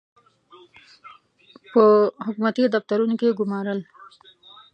په حکومتي دفترونو کې ګومارل.